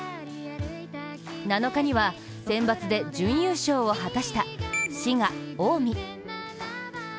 ７日には、センバツで準優勝を果たした滋賀・近江。